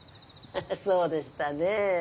そうでしたね。